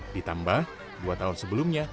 ditambah dua tahun sebelumnya